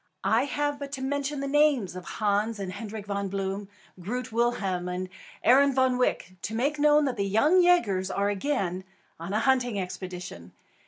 I have but to mention the names of Hans and Hendrik Von Bloom, Groot Willem and Arend Van Wyk, to make known that The Young Yagers are again on a hunting expedition.